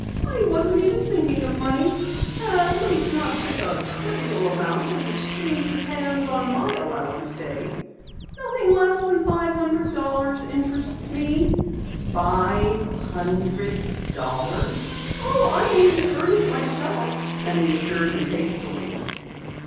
"I wasn't even thinking of money at least not such a trivial amount as exchanges hands on my allowance day. Nothing less than five hundred dollars interests me." "Five hundred dollars!" "Oh, I aim to earn it myself," Penny assured him hastily.